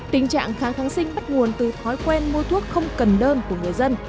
tình trạng kháng kháng sinh bắt nguồn từ thói quen mua thuốc không cần đơn của người dân